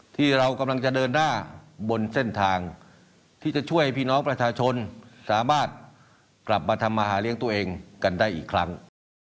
ที่เรากำลังจะเดินหน้าบนเส้นทางที่จะช่วยพี่น้องประชาชนสามารถกลับมาทำมาหาเลี้ยงตัวเองกันได้อีกครั้ง